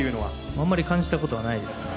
あんまり感じた事はないですね。